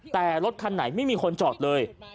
แต่รถคันไหนไม่มีคนจอดเลย